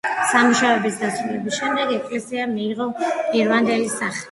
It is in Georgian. სამუშაოების დასრულების შემდეგ ეკლესიამ მიიღო პირვანდელი სახე.